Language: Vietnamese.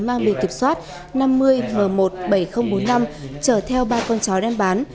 mang biệt kiểm soát năm mươi v một mươi bảy nghìn bốn mươi năm chở theo ba con chó đen bán